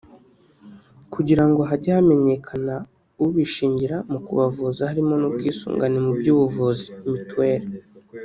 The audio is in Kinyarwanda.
kugira ngo hajye hamenyekana ubishingira mu kubavuza harimo n’ubwisungane mu by’ubuvuzi (mutuelle)